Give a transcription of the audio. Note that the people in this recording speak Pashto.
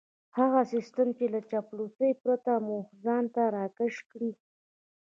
هغه سيستم چې له چاپلوسۍ پرته مو ځان ته راکش کړي.